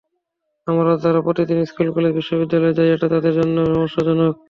আমরা যারা প্রতিদিন স্কুল, কলেজ, বিশ্ববিদ্যালয়ে যাই, এটা তাদের জন্য সমস্যাজনক।